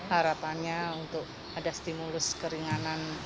harapannya untuk ada stimulus keringanan